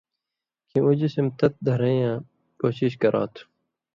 کھیں اُو جسِم تت دھرئیں کوشش کرا تُھو۔